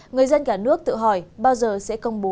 người dân cả nước tự hỏi bao giờ sẽ công bố